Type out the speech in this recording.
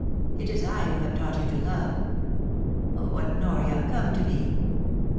It is I who have taught you to love. Oh, Honoria, come to me !